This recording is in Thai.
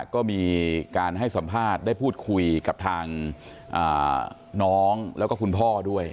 ก็มีการให้สัมภาษณ์ได้พูดคุยกับทางน้องแล้วก็คุณพ่อด้วย